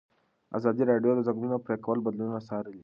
ازادي راډیو د د ځنګلونو پرېکول بدلونونه څارلي.